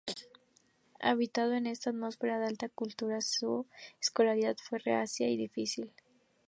Habituado a esta atmósfera de alta cultura, su escolarización fue reacia y difícil.